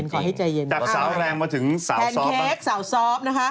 จากสาวแรงมาถึงสาวซอป